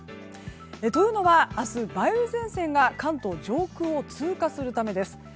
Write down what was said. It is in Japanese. というのは明日、梅雨前線が関東上空を通過するためです。